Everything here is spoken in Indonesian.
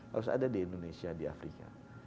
harus ada di indonesia di afrika